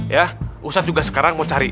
ya ustadz juga sekarang mau cari